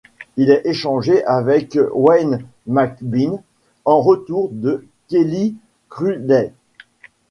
Il est échangé avec Wayne McBean en retour de Kelly Hrudey.